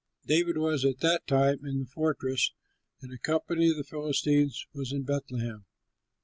David was at that time in the fortress, and a company of the Philistines was in Bethlehem.